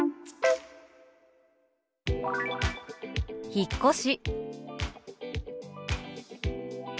「引っ越し」。